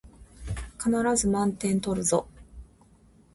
必ず満点取るぞ